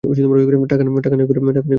টাকা নাই ঘরে, বিরিয়ানি খাও।